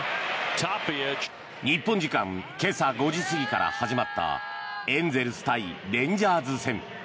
日本時間今朝５時過ぎから始まったエンゼルス対レンジャーズ戦。